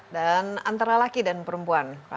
dan antara laki dan perempuan